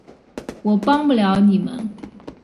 我帮不了你们